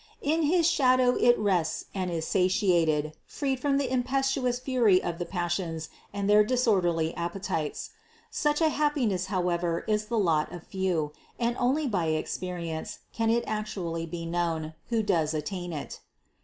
In his shadow it rests and is satiated, freed from the impetuous fury of the passions and their disorderly appetites. Such a happiness however is the lot of few, and only by ex perience can it actually be known, who does attain it. 613.